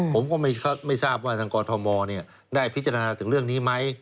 ผมก็ไม่ทราบว่าทางกอทมได้พิจารณาถึงเรื่องนี้ไหม